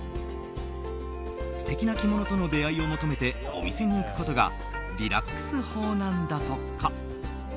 素敵な着物との出会いを求めてお店に行くことがリラックス法なんだとか。